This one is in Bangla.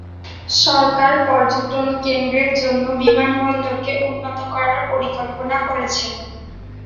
সরকার পর্যটন কেন্দ্রের জন্য বিমানবন্দরকে উন্নত করার পরিকল্পনা করেছে।